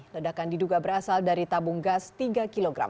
ledakan diduga berasal dari tabung gas tiga kg